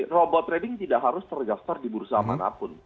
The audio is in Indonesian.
robot trading tidak harus terdaftar di bursa manapun